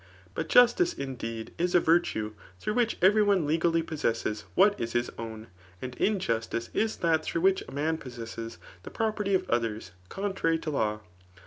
But justice, indeed, is a virtue through which every one legally possesses what is his own ; and injustice is that through which a man pos« sesses the property of others, contrary to law.